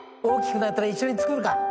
大きくなったら一緒に作るか。